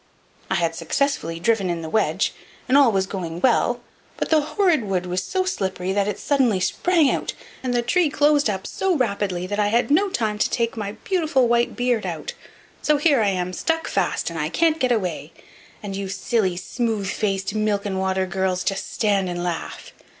I had successfully driven in the wedge, and all was going well, but the cursed wood was so slippery that it suddenly sprang out, and the tree closed up so rapidly that I had no time to take my beautiful white beard out, so here I am stuck fast, and I can't get away; and you silly, smooth faced, milk and water girls just stand and laugh!